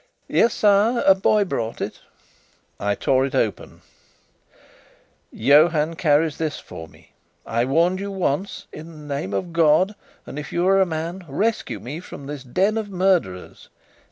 "Yes, sire; a boy brought it." I tore it open: Johann carries this for me. I warned you once. In the name of God, and if you are a man, rescue me from this den of murderers!